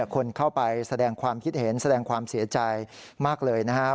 คนเข้าไปแสดงความคิดเห็นแสดงความเสียใจมากเลยนะครับ